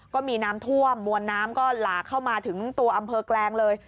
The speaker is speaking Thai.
ก็มีน้ำท่วมมวลน้ำก็หลากเข้ามาถึงตัวอำเภอแกลงเลย